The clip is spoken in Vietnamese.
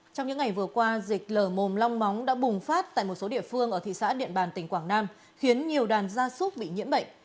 trong những ngày vừa qua dịch lở mồm long móng đã bùng phát tại một số địa phương ở thị xã điện bàn tỉnh quảng nam khiến nhiều đàn gia súc bị nhiễm bệnh